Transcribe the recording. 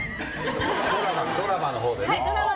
ドラマのほうでね。